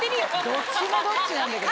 どっちもどっちなんだけど。